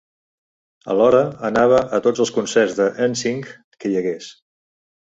Alhora anava a tots els concerts de 'N Sync que hi hagués.